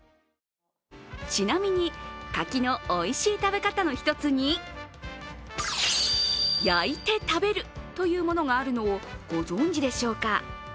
ちなみに柿のおいしい食べ方の１つに焼いて食べるというものがあるのをご存じでしょうか？